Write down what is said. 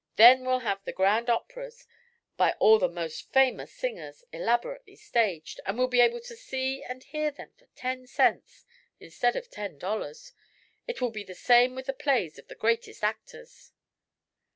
Then we'll have the grand operas, by all the most famous singers, elaborately staged; and we'll be able to see and hear them for ten cents, instead of ten dollars. It will be the same with the plays of the greatest actors."